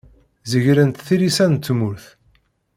Zegrent tilisa n tmurt.